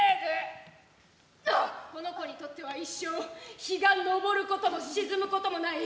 この子にとっては一生日が昇ることも沈むこともない。